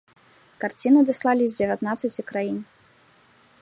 Карціны даслалі з дзевятнаццаці краін.